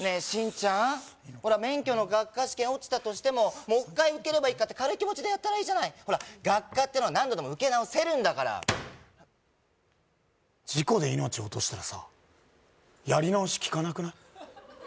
真ちゃん免許の学科試験落ちたとしてももう一回受ければいいかって軽い気持ちでやったらいいじゃないほら学科ってのは何度でも受け直せるんだから事故で命落としたらさやり直しきかなくない？